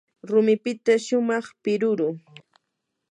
rumipita shumaq piruru.